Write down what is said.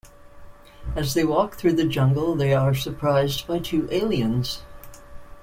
As they walk through the jungle, they are surprised by two aliens.